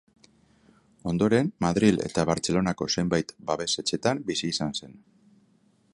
Ondoren, Madril eta Bartzelonako zenbait babes-etxetan bizi izan zen.